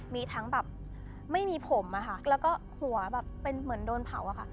มีเจอที่พนักธิพหมาค่ะ